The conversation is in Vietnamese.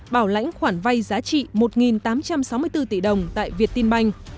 bảo lãnh khoản vay giá trị một tám trăm sáu mươi bốn tỷ đồng tại việt tin banh